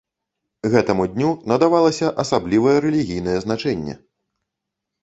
Гэтаму дню надавалася асаблівае рэлігійнае значэнне.